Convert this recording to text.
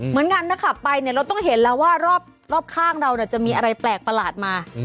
เหมือนกันถ้าขับไปเนี่ยเราต้องเห็นแล้วว่ารอบข้างเราจะมีอะไรแปลกประหลาดมา